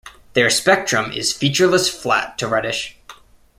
Their spectrum is featureless flat to reddish.